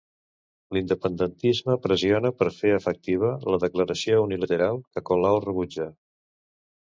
L'independentisme pressiona per fer efectiva la declaració unilateral, que Colau rebutja.